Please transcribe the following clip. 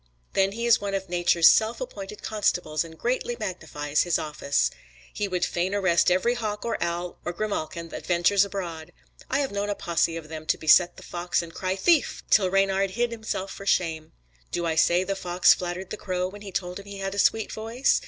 Then he is one of Nature's self appointed constables and greatly magnifies his office. He would fain arrest every hawk or owl or grimalkin that ventures abroad. I have known a posse of them to beset the fox and cry "Thief!" till Reynard hid himself for shame. Do I say the fox flattered the crow when he told him he had a sweet voice?